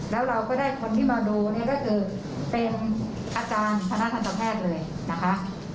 แล้วเราก็ได้คนที่มาดูเนี่ยก็คือเป็นอาจารย์คณะทันตแพทย์เลยนะคะ